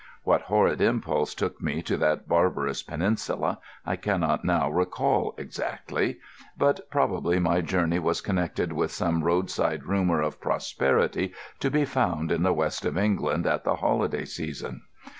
What horrid impulse took me to that barbarous peninsula, I cannot now recall exactly; but probably my journey was connected with some roadside rumour of prosperity to be found in the West of England at the holiday season.